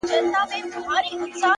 د حقیقت منل د بلوغ نښه ده.!